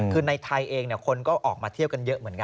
คือในไทยเองคนก็ออกมาเที่ยวกันเยอะเหมือนกัน